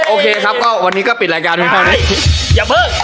โอเคครับวันนี้ก็ปิดรายการด้วยชัยอย่าเพิ่งเอออ๋อ